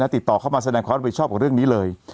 ติดต่อเข้ามาแสดงความรับผิดชอบกับเรื่องนี้เลย